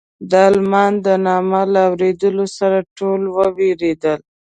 د المان د نامه له اورېدو سره ټول وېرېدل.